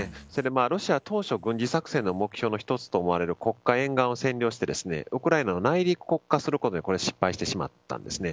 ロシア当初軍事作戦の目標の１つと思われる沿岸を占領してウクライナを内陸国家することを失敗してしまったんですね。